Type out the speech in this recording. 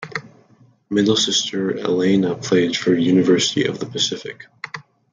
Middle sister Elaina played for University of the Pacific.